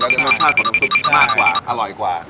และเป็นเรื่องรสชาติของน้ำซุปมากกว่าอร่อยกว่า